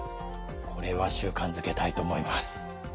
これは習慣づけたいと思います。